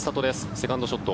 セカンドショット。